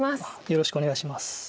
よろしくお願いします。